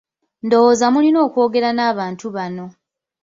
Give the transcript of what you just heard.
Ndowooza mulina okwogera n'abantu bano.